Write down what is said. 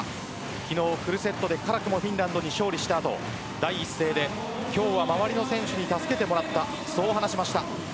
昨日フルセットで辛くもフィンランドに勝利した後第一声で、今日は周りの選手に助けてもらったそう、話しました。